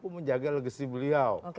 yang mampu menjaga legasi beliau